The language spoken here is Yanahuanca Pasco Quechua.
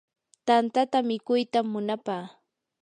tantata mikuytam munapaa.